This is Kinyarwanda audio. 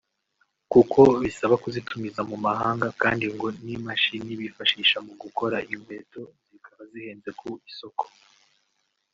kuko bibasaba kuzitumiza mu mahanga kandi ngo n'imashini bifashisha mu gukora inkweto zikaba zihenze ku isoko